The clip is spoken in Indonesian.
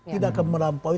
tidak akan melampaui